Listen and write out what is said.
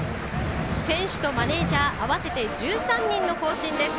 選手とマネージャー合わせて１３人の行進です。